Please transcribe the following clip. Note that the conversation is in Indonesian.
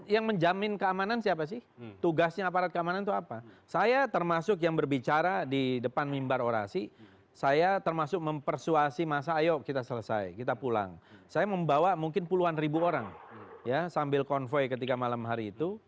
yang mana yang dimaksudkan abuse of power